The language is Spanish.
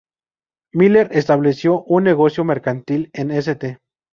Miller estableció un negocio mercantil en St.